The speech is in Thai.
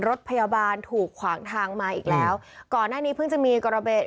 รถพยาบาลถูกขวางทางมาอีกแล้วก่อนหน้านี้เพิ่งจะมีกรณี